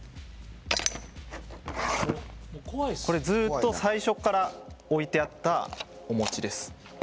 ずっと最初から置いてあったお餅です。